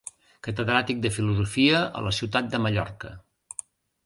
Catedràtic de filosofia a la Ciutat de Mallorca.